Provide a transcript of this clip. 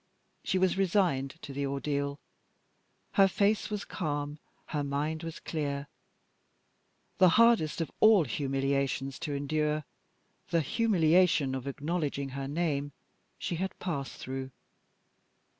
She was resigned to the ordeal. Her face was calm; her mind was clear. The hardest of all humiliations to endure the humiliation of acknowledging her name she had passed through.